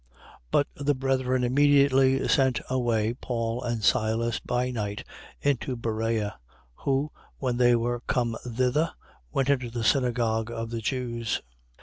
But the brethren immediately sent away Paul and Silas by night unto Berea. Who, when they were come thither, went into the synagogue of the Jews. 17:11.